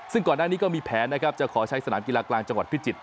ซึ่งก่อนหน้านี้ก็มีแผนนะครับจะขอใช้สนามกีฬากลางจังหวัดพิจิตร